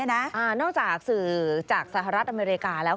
นอกจากสื่อจากสหรัฐอเมริกาแล้ว